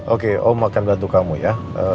oke om akan bantu kamu ya